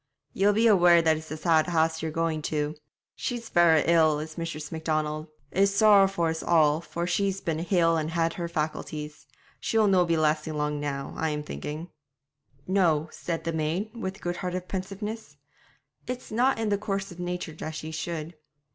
'Ye'll be aware that it's a sad house ye're going to. She's verra ill is Mistress Macdonald. It's sorrow for us all, for she's been hale and had her faculties. She'll no' be lasting long now, I'm thinking.' 'No,' said the maid, with good hearted pensiveness; 'it's not in the course of nature that she should.'